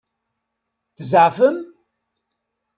Tzeɛfem?